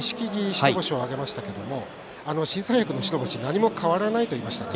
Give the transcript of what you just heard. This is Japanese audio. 白星を挙げましたけれども新三役の白星何も変わらないと言いましたね。